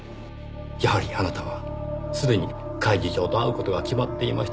やはりあなたはすでに甲斐次長と会う事が決まっていました。